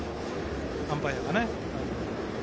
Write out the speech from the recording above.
アンパイアがね。